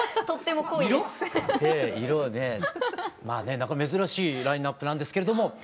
なんか珍しいラインナップなんですけれども。